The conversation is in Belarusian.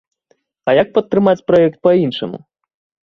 А як падтрымаць праект па-іншаму?